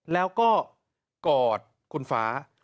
แล้วก็กอดคุณฟ้า